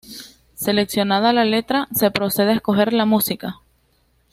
Seleccionada la letra, se procede a escoger la música.